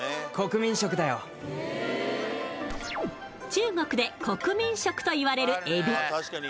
中国で国民食といわれる、えび。